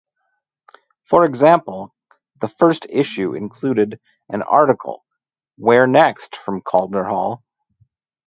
For example, the first issue included an article Where next from Calder Hall?